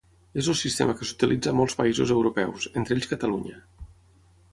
És el sistema que s'utilitza a molts països europeus, entre ells Catalunya.